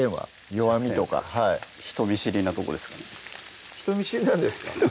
弱みとか人見知りなとこですかね人見知りなんですか？